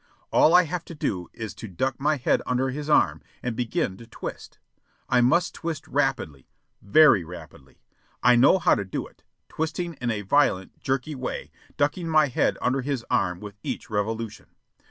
All I have to do is to duck my head under his arm and begin to twist. I must twist rapidly very rapidly. I know how to do it; twisting in a violent, jerky way, ducking my head under his arm with each revolution.